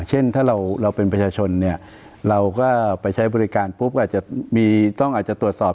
เช่นถ้าเราเป็นประชาชนเนี่ยเราก็ไปใช้บริการปุ๊บอาจจะมีต้องอาจจะตรวจสอบ